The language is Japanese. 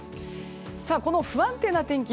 この不安定な天気